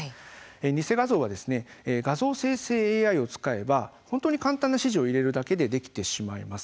偽画像は画像生成ＡＩを使えば本当に簡単な指示を入れるだけでできてしまいます。